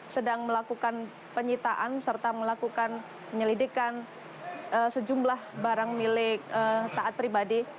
sedang melakukan penyitaan serta melakukan penyelidikan sejumlah barang milik taat pribadi